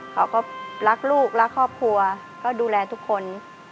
เขาก็รักลูกรักครอบครัวก็ดูแลทุกคน